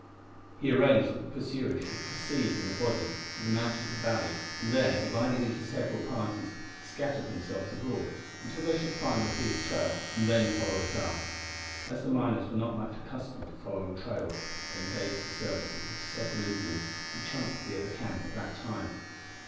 He arranged that the pursuers should proceed in a body to the mouth of the valley, and there, dividing into several parties, scatter themselves abroad until they should find the thief's trail and then follow it up. As the miners were not much accustomed to following trails, they engaged the services of several Indians who chanced to be at the camp at that time.